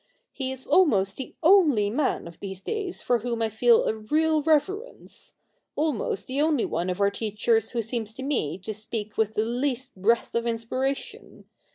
He is almost the only man of these days for whom I feel a real reverence — almost the only one of our teachers who seems to me to speak with the least breath of inspiration.